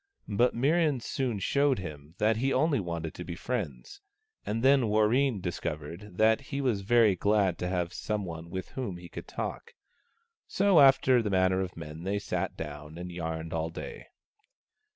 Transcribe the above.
But Mirran soon showed him that he only wanted to be friends ; and then Warreen discovered that he was very glad to have some one with whom he could talk. So after the manner of men, they sat down and yarned all day.